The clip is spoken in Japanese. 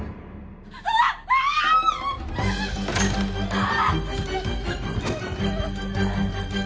ああ！